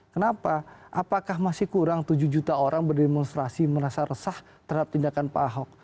kenapa apakah masih kurang tujuh juta orang berdemonstrasi merasa resah terhadap tindakan pak ahok